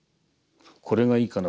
これがいいかな